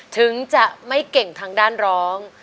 ถึงจะไม่เก่งทางด้านร้อง